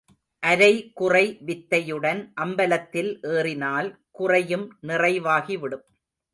அரை குறை வித்தையுடன் அம்பலத்தில் ஏறினால் குறையும் நிறைவாகிவிடும்.